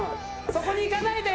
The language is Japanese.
そこに行かないで。